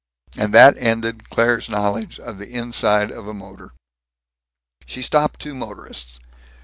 And that ended Claire's knowledge of the inside of a motor. She stopped two motorists.